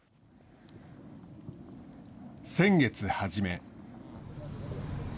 先月初め。